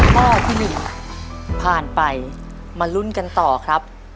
พ่อที่หนึ่งผ่านไปมารุ่นกันต่อครับ